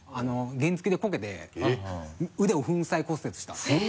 原付でこけて腕を粉砕骨折したんですよ。